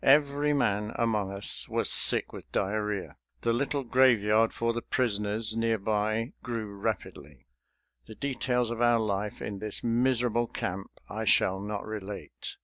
Every man among us was sick with diarrhoea. The little grave yard for the prisoners near by grew rapidly. The details of our life in this miserable camp I shall not relate.